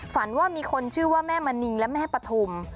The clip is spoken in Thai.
ฝันว่ามีคนชื่อว่าแม่มณิงและแม่ปฐุม